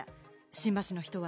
新橋の人は。